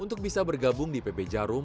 untuk bisa bergabung di pb jarum